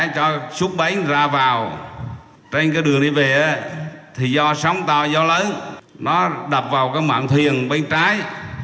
cho súc bánh ra vào trên đường đi về thì do sóng tàu do lớn nó đập vào mạng thuyền bên trái